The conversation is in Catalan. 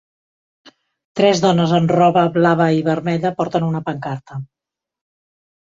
Tres dones amb roba blava i vermella porten una pancarta